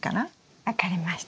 分かりました。